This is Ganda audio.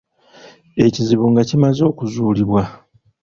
Ekizibu nga kimaze okuzuulibwa.